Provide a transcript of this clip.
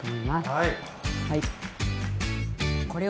はい。